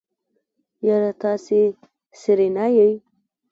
يره تاسې سېرېنا يئ.